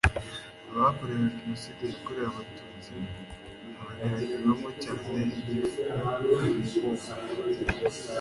Abarokotse Jenoside yakorewe Abatutsi hagaragaramo cyane igifu umugongo